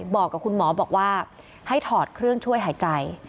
บอกกับคุณหมอบอกว่าให้ถอดเครื่องช่วยหายใจ